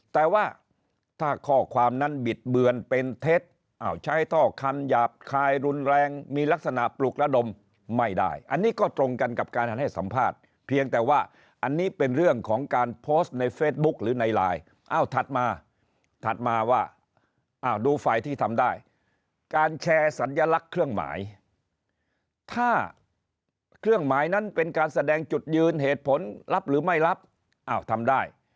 แต่ว่าถ้าข้อความนั้นบิดเบือนเป็นเท็จใช้ท่อคำหยาบคายรุนแรงมีลักษณะปลุกระดมไม่ได้อันนี้ก็ตรงกันกับการให้สัมภาษณ์เพียงแต่ว่าอันนี้เป็นเรื่องของการโพสต์ในเฟซบุ๊คหรือในไลน์อ้าวถัดมาถัดมาว่าอ้าวดูฝ่ายที่ทำได้การแชร์สัญลักษณ์เครื่องหมายถ้าเครื่องหมายนั้นเป็นการแสดงจุดยืนเหตุผลรับหรือไม่รับอ้าวทำได้